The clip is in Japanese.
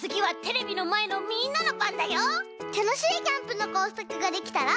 たのしいキャンプのこうさくができたら。